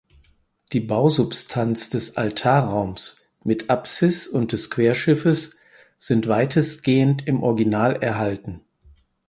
Die Bausubstanz des Altarraums mit Apsis und des Querschiffes sind weitestgehend im Original erhalten.